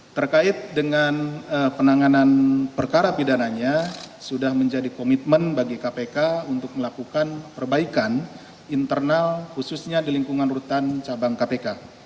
terkait dengan penanganan perkara pidananya sudah menjadi komitmen bagi kpk untuk melakukan perbaikan internal khususnya di lingkungan rutan cabang kpk